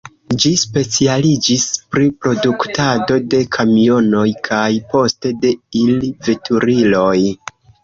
Ĝi specialiĝis pri produktado de kamionoj kaj poste de il-veturiloj.